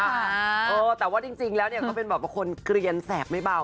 เออแต่ว่าจริงแล้วเนี่ยเขาเป็นแบบว่าคนเกลียนแสบไม่เบา